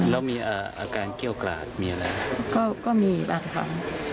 แล้วมีอาการเกี้ยวกราดมีอะไรก็มีบางครั้ง